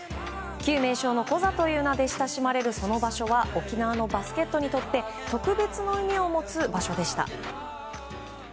旧名称のコザという名で親しまれるその場所は沖縄のバスケットにとって特別の意味を持つ場所でした。